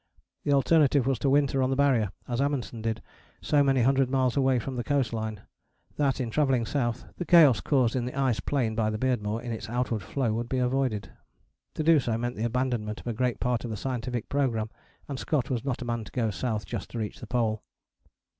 The alternative was to winter on the Barrier, as Amundsen did, so many hundred miles away from the coast line that, in travelling south, the chaos caused in the ice plain by the Beardmore in its outward flow would be avoided. To do so meant the abandonment of a great part of the scientific programme, and Scott was not a man to go south just to reach the Pole.